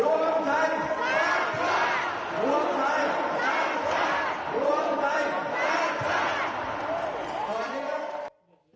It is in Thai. ร่วงตัวสะพานไม่มีโมาค